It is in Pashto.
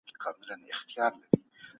پيوستون اړيکي ټينګوي.